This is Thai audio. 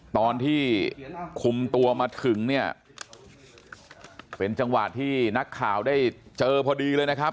ตอนที่คุมตัวมาถึงเนี่ยเป็นจังหวะที่นักข่าวได้เจอพอดีเลยนะครับ